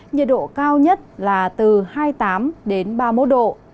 nhiệt độ cao nhất là từ hai mươi tám đến ba mươi một độ